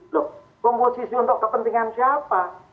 loh komposisi untuk kepentingan siapa